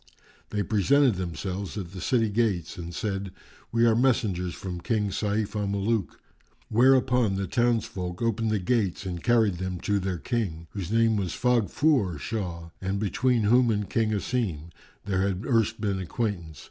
They presented themselves at the city gates and said, "We are messengers from King Sayf al Muluk." Whereupon the townsfolk opened the gates and carried them to their King, whose name was Faghfúr[FN#395] Shah and between whom and King Asim there had erst been acquaintance.